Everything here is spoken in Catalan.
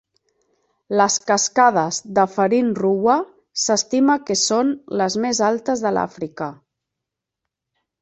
Les cascades de Farin Ruwa s'estima que són les més altes de l'Àfrica.